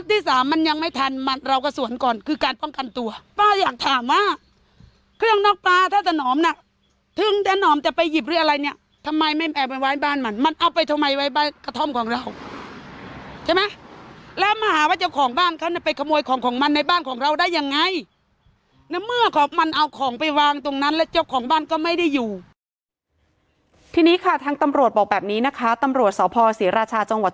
ต้องนอกปลาถ้าจะหนอมน่ะถึงจะหนอมจะไปหยิบหรืออะไรเนี้ยทำไมไม่แอบไว้บ้านมันมันเอาไปทำไมไว้บ้านกระท่อมของเราใช่ไหมแล้วมาหาว่าเจ้าของบ้านเขาเนี้ยไปขโมยของของมันในบ้านของเราได้ยังไงเนี้ยเมื่อของมันเอาของไปวางตรงนั้นแล้วเจ้าของบ้านก็ไม่ได้อยู่ทีนี้ค่ะทั้งตำรวจบอกแบบนี้นะคะตำรวจสาวพอ